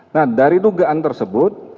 nah dari dugaan tersebut